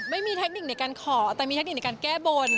ไม่มีเทคนิคในการขอแต่มีเทคนิคในการแก้บน